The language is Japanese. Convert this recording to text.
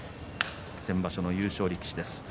先場所の優勝力士です。